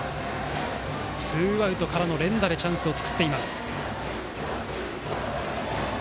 ツーアウトからの連打でチャンスを作っています。